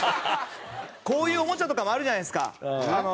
こういうおもちゃとかもあるじゃないですか。